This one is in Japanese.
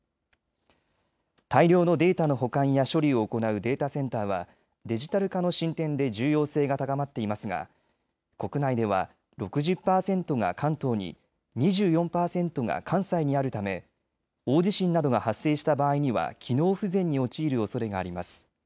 大量のデータの保管や処理を行うデータセンターはデジタル化の進展で重要性が高まっていますが国内では６０％が関東に、２４％が関西にあるため大地震などが発生した場合には機能不全に陥るおそれがあります。